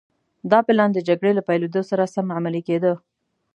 دا پلان د جګړې له پيلېدو سره سم عملي کېده.